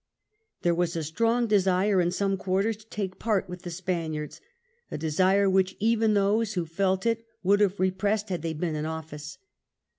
There was a strong desire in some quarters to take part with the Spaniards, a desire which even those ♦who felt it would have re pressed had they been in office.